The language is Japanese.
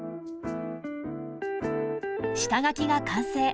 下描きが完成。